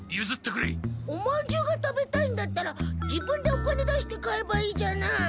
おまんじゅうが食べたいんだったら自分でお金出して買えばいいじゃない。